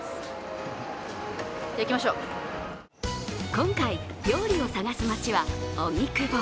今回、料理を探す街は荻窪。